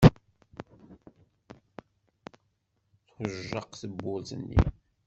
Tujjaq tewwurt-nni.